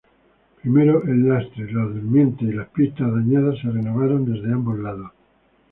Primero, el lastre, los durmientes y las pistas dañadas se renovaron desde ambos lados.